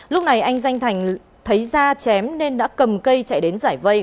lúc này anh danh thành thấy da chém nên đã cầm cây chạy đến giải vây